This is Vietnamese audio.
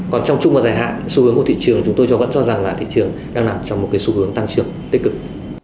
còn trong chung và dài hạn xu hướng của thị trường chúng tôi cho vẫn cho rằng là thị trường đang nằm trong một cái xu hướng tăng trưởng tích cực